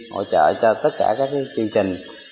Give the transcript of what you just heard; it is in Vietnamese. hỗ trợ cho tất cả các chương trình